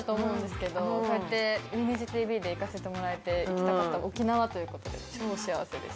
こうやって『ＷｅＮｉｚｉＵＴＶ』で行かせてもらえて行きたかった沖縄ということで超幸せでした。